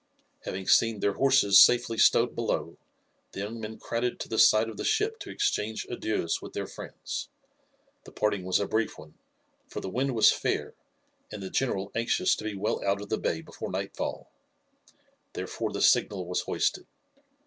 Having seen their horses safely stowed below the young men crowded to the side of the ship to exchange adieus with their friends. The parting was a brief one, for the wind was fair, and the general anxious to be well out of the bay before nightfall. Therefore the signal was hoisted.